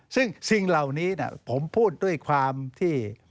ซึ่งสิ่งเหล่านี้ผมพูดด้วยความที่